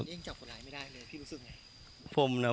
ยังจับคนร้ายไม่ได้เลยพี่รู้สึกไง